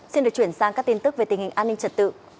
xin được chuyển sang các tin tức về tình hình an ninh trật tự